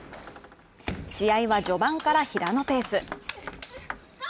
試合は序盤から平野ペース。